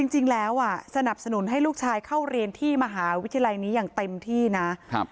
จริงแล้วสนับสนุนให้ลูกชายเข้าเรียนที่มหาวิทยาลัยนี้อย่างเต็มที่นะ